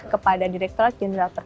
kepada direkturat jenderal